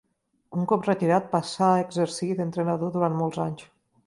Un cop retirat passà a exercir d'entrenador durant molts anys.